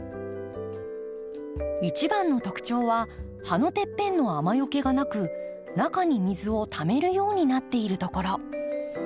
一番の特徴は葉のてっぺんの雨よけがなく中に水をためるようになっているところ。